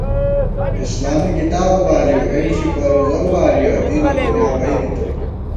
اِسلامی کتابہ بالِؤ اېنݪی پرُوزَؤ وارِیَہ دین اؤ دُنیا بئ بِتہ